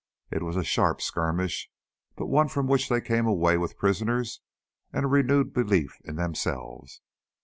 It was a sharp skirmish, but one from which they came away with prisoners and a renewed belief in themselves.